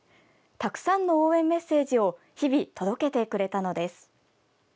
たくさんの応援メッセージを日々、届けてくれたのです。